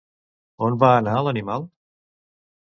On va anar l'animal?